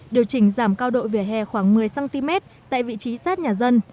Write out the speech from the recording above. điều chỉnh giảm cao độ vỉa hè khoảng một mươi cm tại vị trí sát nhà dân